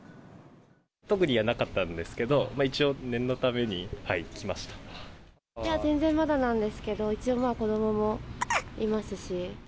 特にはなかったんですけど、いや、全然まだなんですけど、一応、子どももいますし。